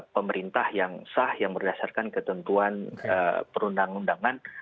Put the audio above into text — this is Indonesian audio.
pemerintah yang sah yang berdasarkan ketentuan perundang undangan